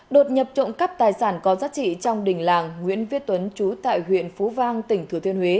đột nhập trộm cắp tài sản có giá trị trong đình làng nguyễn viết tuấn chú tại huyện phú vang tỉnh thừa thiên huế